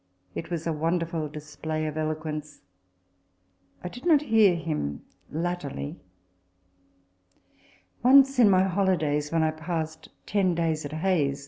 It was a wonderful display of eloquence. I did not hear him latterly. Once in my holidays, when I passed ten days at * His remarks extend to p.